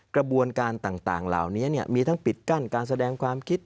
กระบวนการต่างเหล่านี้มีทั้งปิดกั้นการแสดงความคิด